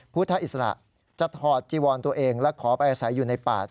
พุทธอิสระจะถอดจีวอนตัวเองและขอไปอาศัยอยู่ในป่า